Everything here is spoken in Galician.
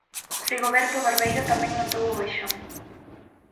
Rigoberto, o barbeiro, tamén notou o baixón.